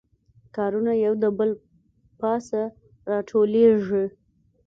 کارونه یو د بل پاسه راټولیږي